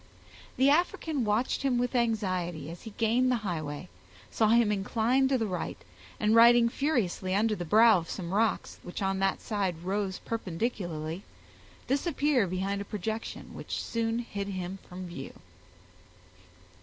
The African watched him with anxiety as he gained the highway, saw him incline to the right, and riding furiously under the brow of some rocks, which on that side rose perpendicularly, disappear behind a projection, which soon hid him from view.